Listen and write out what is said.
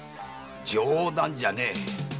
冗談じゃねえ